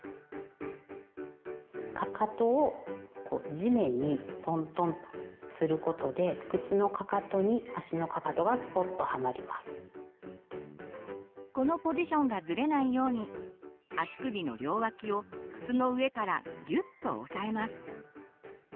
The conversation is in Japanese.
かかとをこう地面にトントンとすることでこのポジションがずれないように足首の両脇を靴の上からぎゅっと押さえます。